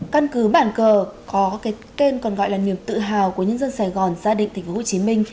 căn cứ bàn cờ có kênh còn gọi là niềm tự hào của nhân dân sài gòn gia đình tp hcm